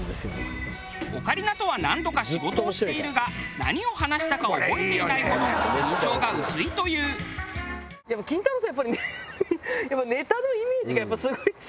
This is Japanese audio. オカリナとは何度か仕事をしているが何を話したか覚えていないほど印象が薄いという。っていうイメージ。